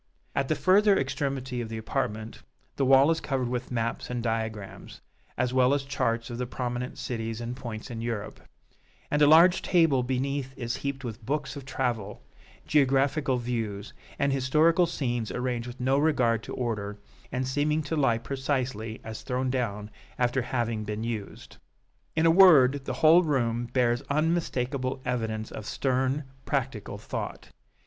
At the further extremity of the apartment, the wall is covered with maps and diagrams, as well as charts of the prominent cities and points in Europe; and a large table beneath is heaped with books of travel, geographical views, and historical scenes arranged with no regard to order, and seeming to lie precisely as thrown down after having been used. In a word, the whole room bears unmistakable evidence of stern, practical thought.